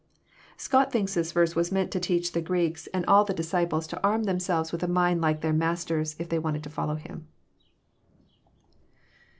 Scott thinks this verse was meant to teach the Greeks and all 340 EXFOSITOBr THOUGHTS. the disciples to arm themselres with a mind like their Master's if they wanted to follow Him.